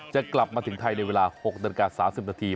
จะกลับมาถึงไทยในเวลา๖นาฬิกา๓๐นาที